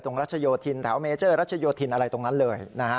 รัชโยธินแถวเมเจอร์รัชโยธินอะไรตรงนั้นเลยนะฮะ